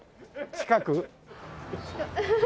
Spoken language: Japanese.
近く。